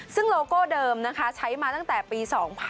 ซึ่งโลโก้เดิมนะคะใช้มาตั้งแต่ปี๒๕๖๒